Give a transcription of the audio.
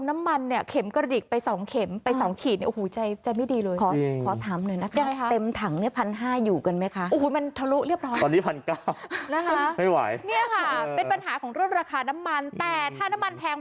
มันคือตอนนี้น้ำมันแทง